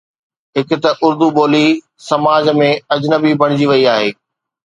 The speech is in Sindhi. هڪ ته اردو ٻولي سماج ۾ اجنبي بڻجي وئي آهي.